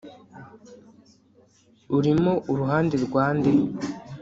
Urimo uruhande rwa nde